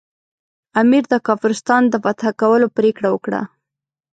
امیر د کافرستان د فتح کولو پرېکړه وکړه.